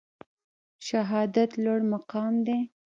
شهادت لوړ مقام دی